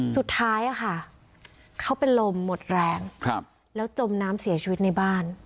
สุดท้ายค่ะเขาเป็นลมหมดแรงแล้วจมน้ำเสียชีวิตในบ้าน